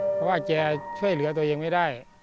เพราะว่าแกช่วยเหลือตัวเองไม่ได้